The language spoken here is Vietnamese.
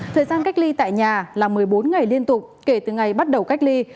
thời gian cách ly tại nhà là một mươi bốn ngày liên tục kể từ ngày bắt đầu cách ly